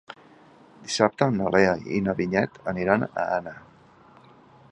Dissabte na Lea i na Vinyet aniran a Anna.